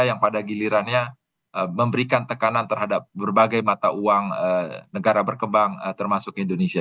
yang pada gilirannya memberikan tekanan terhadap berbagai mata uang negara berkembang termasuk indonesia